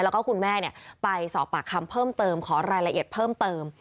แล้วก็คุณแม่ไปสอบปากคำเพิ่มเติมขอรายละเอียดเพิ่มเติม